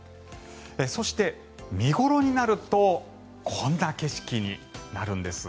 そして見頃になるとこんな景色になるんです。